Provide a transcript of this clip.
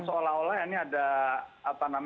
seolah olah ini ada